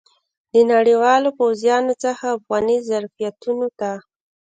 د نړیوالو پوځیانو څخه افغاني ظرفیتونو ته.